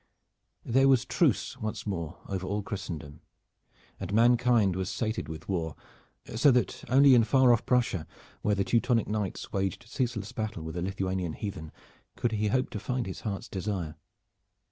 There was truce once more over all Christendom, and mankind was sated with war, so that only in far off Prussia, where the Teutonic knights waged ceaseless battle with the Lithuanian heathen, could he hope to find his heart's desire.